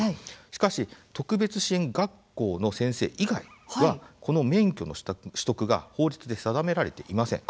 しかし特別支援学校の先生以外はこの免許の取得が法律で定められていません。